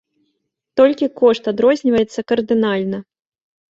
Толькі кошт адрозніваецца кардынальна.